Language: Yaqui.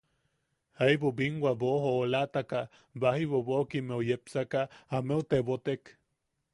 Jaibu binwa boʼojoolataka baji bobokimmeu yepsaka ameu tebotek: